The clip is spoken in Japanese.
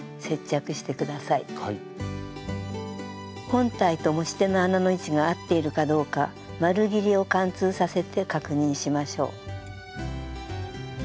本体と持ち手の穴の位置が合っているかどうか丸ぎりを貫通させて確認しましょう。